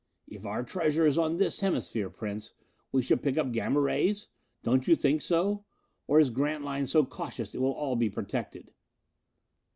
"If our treasure is on this hemisphere, Prince, we should pick up Gamma rays? Don't you think so? Or is Grantline so cautious it will all be protected?"